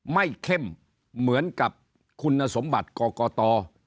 เข้มเหมือนกับคุณสมบัติกรกต